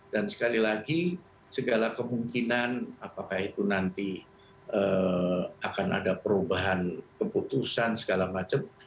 dan sekali lagi segala kemungkinan apakah itu nanti akan ada perubahan keputusan segala macam